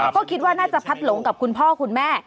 ก็คิดว่าน่าจะพัดหลงกับคุณพ่อคุณแม่